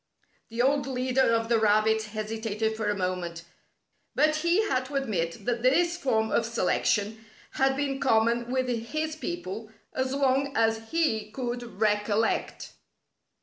The old leader of the rabbits hesitated for a moment, but he had to admit that this form of selection had been common with his people as long as he could recollect.